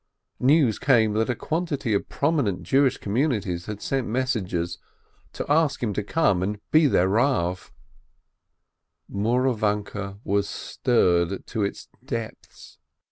News came that a quantity of prominent Jewish communities had sent messengers, to ask him to come and be their Rav. Mouravanke was stirred to its depths.